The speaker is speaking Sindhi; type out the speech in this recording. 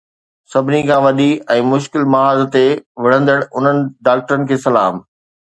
سڀني کان وڏي ۽ مشڪل محاذ تي وڙهندڙ انهن ڊاڪٽرن کي سلام